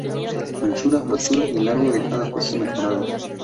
Anchura, altura y largo de cada coche mejorados.